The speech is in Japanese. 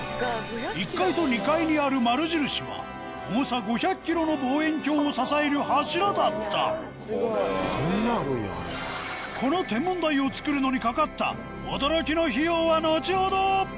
１階と２階にある丸印は重さ５００ｋｇの望遠鏡を支える柱だったこの天文台をつくるのにかかった驚きの費用は後ほど！